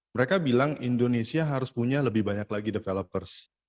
mereka bilang indonesia harus punya lebih banyak lagi developers